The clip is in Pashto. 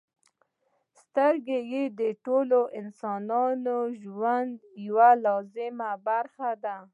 • سترګې د ټولو انسانانو ژوند یوه لازمي برخه ده.